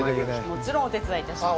もちろん、お手伝いいたします。